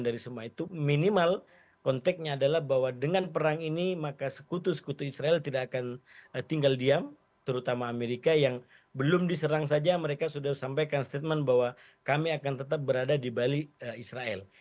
dari semua itu minimal konteknya adalah bahwa dengan perang ini maka sekutu sekutu israel tidak akan tinggal diam terutama amerika yang belum diserang saja mereka sudah sampaikan statement bahwa kami akan tetap berada di balik israel